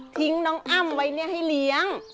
ทิ้งน้องอ้ำไว้ให้เลี้ยง